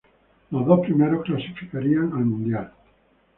Los dos primeros clasificarían al Mundial.